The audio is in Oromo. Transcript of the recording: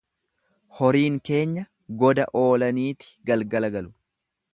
Horiin keenya goda oolaniiti galgala ol galu.